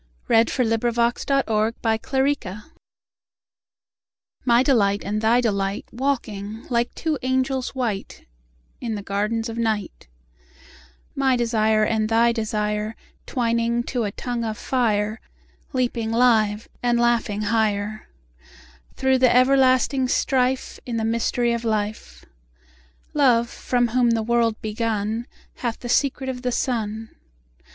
b. 1844 832. My Delight and Thy Delight MY delight and thy delight Walking, like two angels white, In the gardens of the night: My desire and thy desire Twining to a tongue of fire, 5 Leaping live, and laughing higher: Thro' the everlasting strife In the mystery of life. Love, from whom the world begun, Hath the secret of the sun.